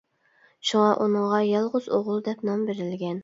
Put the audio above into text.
شۇڭا ئۇنىڭغا يالغۇز ئوغۇل دەپ نام بېرىلگەن.